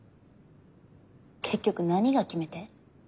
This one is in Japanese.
結局何が決め手？